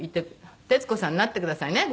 徹子さんなってくださいねご飯